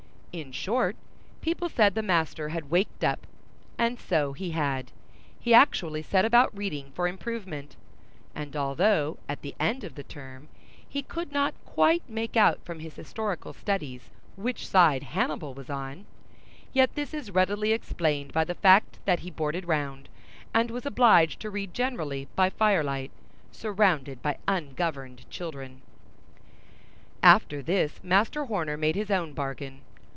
In short, people said the master had waked up; and so he had. He actually set about reading for improvement; and although at the end of the term he could not quite make out from his historical studies which side Hannibal was on, yet this is readily explained by the fact that he boarded round, and was obliged to read generally by firelight, surrounded by ungoverned children. After this, Master Horner made his own bargain.